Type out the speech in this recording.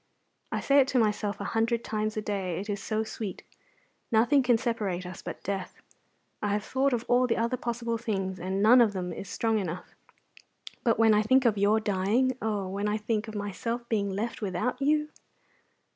I say it to myself a hundred times a day, it is so sweet. Nothing can separate us but death; I have thought of all the other possible things, and none of them is strong enough. But when I think of your dying, oh, when I think of my being left without you!"